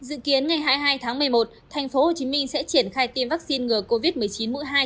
dự kiến ngày hai mươi hai tháng một mươi một tp hcm sẽ triển khai tiêm vaccine ngừa covid một mươi chín mũi hai